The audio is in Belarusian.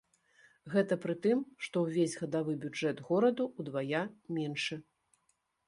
Гэта пры тым, што ўвесь гадавы бюджэт гораду ўдвая меншы.